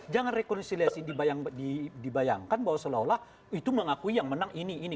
jangan rekonsiliasi dibayangkan bahwa seolah olah itu mengakui yang menang ini ini